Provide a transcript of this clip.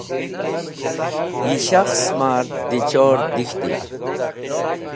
Yi shakhs ma’r dichor dek̃hti.